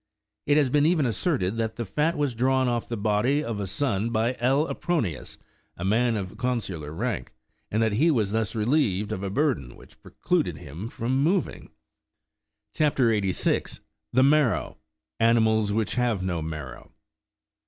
5 It has been even asserted that the fat was drawn off from the body of a son of L. Apronius, a man of consular rank, and that he was thus relieved of a burden which precluded him from moving. CHAP. 86. THE MARROW : ANIMALS WHICH HAVE NO MARROW.